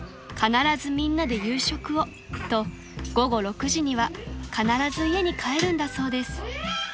必ずみんなで夕食をと午後６時には必ず家に帰るんだそうです］